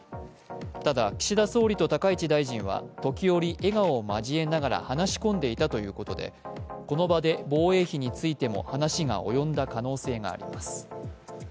ただ、岸田総理と高市大臣は時折、笑顔を交えながら話し込んでいたということでこの場で防衛費についても話が及んだ可能性があります。